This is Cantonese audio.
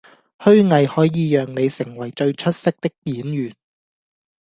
虛偽可以讓你成為最出色的演員